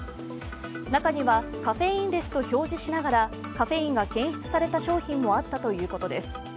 中にはカフェインレスと表示しながら、カフェインが検出された商品もあったということです。